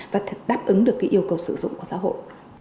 và đáp ứng được cái yêu cầu sử dụng của xã hội